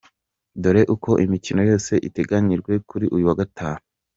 Dore Uko imikino yose iteganyijwe kuri uyu wa Gatanu.